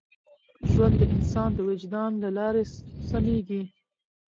ژوند د انسان د وجدان له لارې سمېږي.